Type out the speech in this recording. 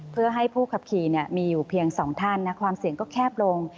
เพื่อให้ผู้ขับขี่มีอยู่เพียง๒ท่านความเสี่ยงก็แคบลง